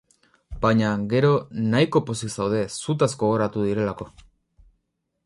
Baina, gero, nahiko pozik zaude, zutaz gogoratu direlako.